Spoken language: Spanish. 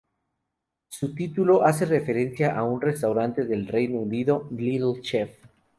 Su título hace referencia a un restaurante del Reino Unido Little Chef.